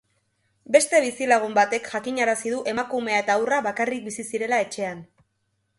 Beste bizilagun batek jakinarazi du emakumea eta haurra bakarrik bizi zirela etxean.